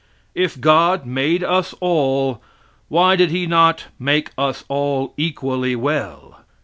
If God made us all, why did He not make us all equally well.